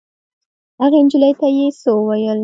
هغې نجلۍ ته یې څه وویل.